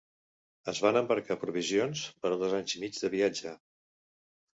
Es van embarcar provisions per a dos anys i mig de viatge.